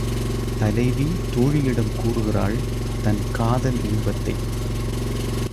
தலைவி தோழியிடம் கூறுகிறாள் தன் காதல் இன்பத்தை.